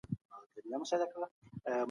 که ارواپوهنه نه وای ذهني ستونزي به پټي وای.